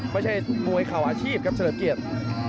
ไม่ใช่มวยเข่าอาชีพครับเฉลิมเกียรติ